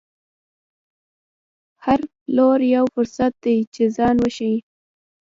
هر پلور یو فرصت دی چې ځان وښيي.